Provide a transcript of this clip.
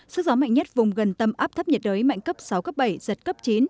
sức gió mạnh nhất vùng gần tâm áp thấp nhiệt đới mạnh cấp sáu cấp bảy giật cấp chín